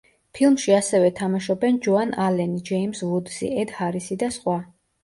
ფილმში ასევე თამაშობენ ჯოან ალენი, ჯეიმზ ვუდსი, ედ ჰარისი და სხვა.